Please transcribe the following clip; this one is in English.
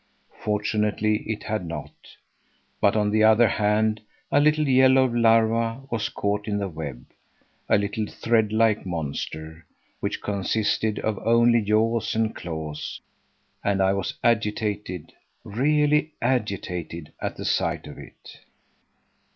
Fortunately it had not; but on the other hand a little yellow larva was caught in the web, a little threadlike monster, which consisted of only jaws and claws, and I was agitated, really agitated, at the sight of it.